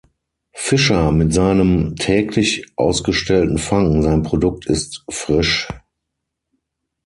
Fischer mit seinem täglich ausgestellten Fang, sein Produkt ist frisch.